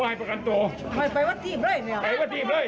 ให้ประกันตัว